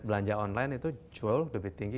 belanja online itu jauh lebih tinggi